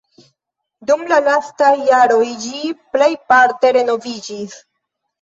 Dum la lastaj jaroj ĝi plejparte renoviĝis.